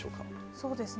そうですね。